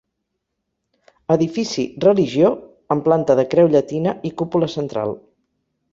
Edifici religió amb planta de creu llatina i cúpula central.